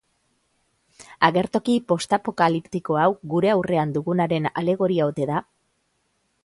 Agertoki postapokaliptiko hau gure aurrean dugunaren alegoria ote da?